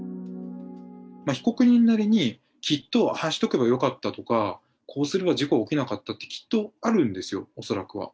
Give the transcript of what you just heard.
被告人なりに、きっと、ああしとけばよかったとか、こうすれば事故は起きなかったって、きっとあるんですよ、恐らくは。